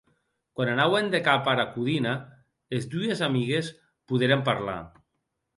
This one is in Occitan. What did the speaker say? Quan anauen de cap ara codina, es dues amigues poderen parlar.